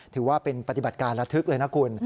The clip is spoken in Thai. ถือว่าเป็นปฏิบัติการระทึกเลยนะคุณ